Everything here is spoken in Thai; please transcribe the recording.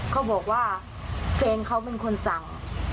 เขาบอกว่าแฟนเขาเป็นคนสั่ง